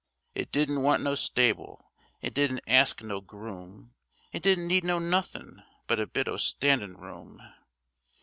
It didn't want no stable, it didn't ask no groom, It didn't need no nothin' but a bit o' standin' room.